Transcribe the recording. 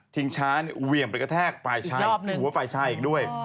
ชิงช้าเวี่ยงเป็นกระแทกปลายชายหัวปลายชายอีกด้วย